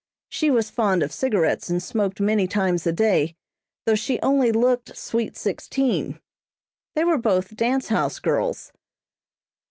She was fond of cigarettes and smoked many times a day, though she only looked "sweet sixteen." They were both dance house girls.